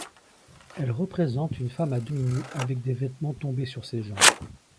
Elle représente une femme à demi-nue avec des vêtements tombés sur ses jambes..